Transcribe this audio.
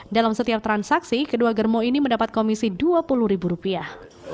dalam setiap transaksi kedua germo ini mendapat komisi dua puluh ribu rupiah